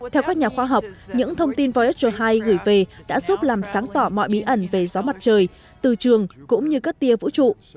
theo các nhà khoa học những thông tin voicro hai gửi về đã giúp làm sáng tỏ mọi bí ẩn về gió mặt trời từ trường cũng như các tia vũ trụ